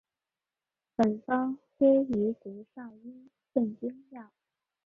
本方归于足少阴肾经药。